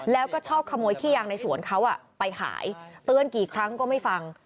แล้วก็ชอบขโมยขี้ยางในสวนเขาไปขายเตือนกี่ครั้งก็ไม่ฟัง